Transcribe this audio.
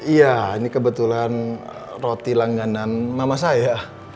iya ini kebetulan roti langganan mama saya